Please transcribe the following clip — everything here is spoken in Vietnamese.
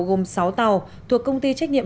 gồm sáu tàu thuộc công ty trách nhiệm